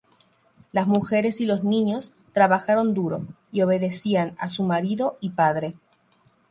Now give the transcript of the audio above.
Las mujeres y los niños trabajaron duro y obedecían a su marido y padre.